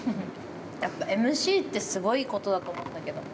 ◆やっぱＭＣってすごいことだと思うんだけど。